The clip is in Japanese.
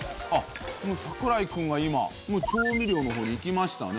櫻井くんが今もう調味料のほうにいきましたね。